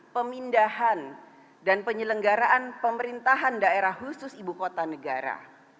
pemindahan dan penyelenggaraan pemerintahan daerah khusus ibu kota negara